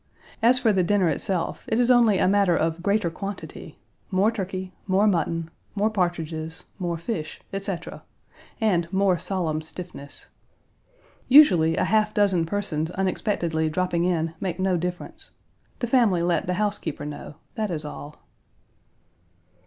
As for the dinner itself, it is only a matter of greater quantity more turkey, more mutton, more partridges, more fish, etc., and more solemn stiffness. Usually a half dozen persons unexpectedly dropping in make no difference. The family let the housekeeper know; that is all.